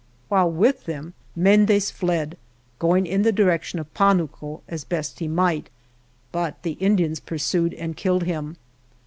While with them Mendez fled, going in the direction of Panuco as best he might, but the Indians pursued and killed him.